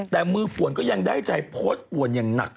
แต่มือป่วนก็ยังได้ใจโพสต์ป่วนอย่างหนัก